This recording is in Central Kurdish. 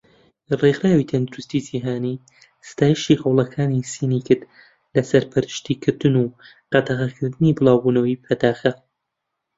ڕێخراوی تەندروستی جیهانی ستایشی هەوڵەکانی سین کرد لە سەرپەرشتی کردن و قەدەغەکردنی بڵاوبوونەوەی پەتاکە.